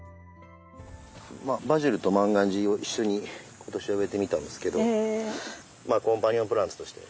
バジルと万願寺を一緒に今年は植えてみたんですけどまあコンパニオンプランツとして。